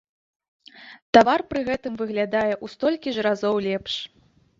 Тавар пры гэтым выглядае ў столькі ж разоў лепш.